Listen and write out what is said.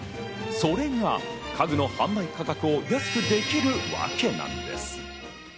それが家具の販売価格を安くできるわけなんです。